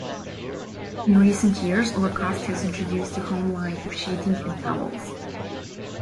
In recent years, Lacoste has introduced a home line of sheeting and towels.